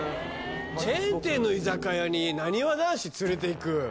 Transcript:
チェーン店の居酒屋になにわ男子連れていく？